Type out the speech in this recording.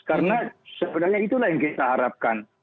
karena sebenarnya itulah yang kita harapkan